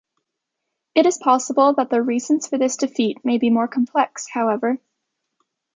It is possible that the reasons for this defeat may be more complex, however.